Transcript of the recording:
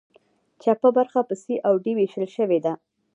چپه برخه په سي او ډي ویشل شوې ده.